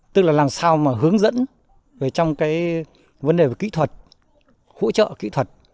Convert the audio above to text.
tức là làm sao mà hướng dẫn trong cái vấn đề về kỹ thuật hỗ trợ kỹ thuật